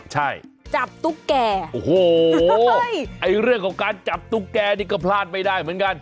ใช่จับตุ๊กแก่โอ้โหไอ้เรื่องของการจับตุ๊กแก่นี่ก็พลาดไม่ได้เหมือนกัน